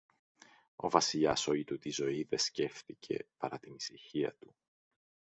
Ο Βασιλιάς όλη του τη ζωή δε σκέφθηκε παρά την ησυχία του.